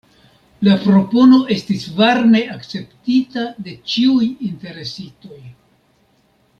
La propono estis varme akceptita de ĉiuj interesitoj.